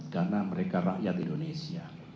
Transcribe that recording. karena mereka rakyat indonesia